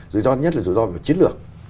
rủi ro nhất là rủi ro về chiến lược